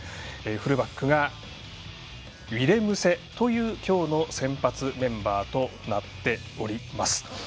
フルバックがウィレムセという今日の先発メンバーとなっております。